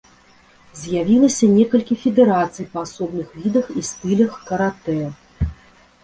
З'явілася некалькі федэрацый па асобных відах і стылях каратэ.